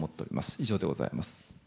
以上でございます。